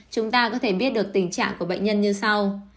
chúng ta có thể biết được tình trạng của bệnh nhân như sau